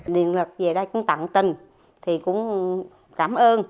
điện lực về đây cũng tặng tình thì cũng cảm ơn